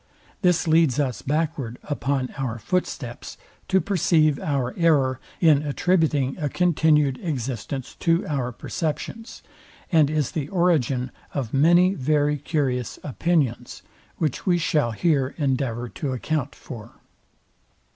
This leads us backward upon our footsteps to perceive our error in attributing a continued existence to our perceptions, and is the origin of many very curious opinions, which we shall here endeavour to account for.